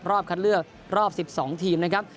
รอบคัดเลือกรอบ๑๒ทีมนะครับ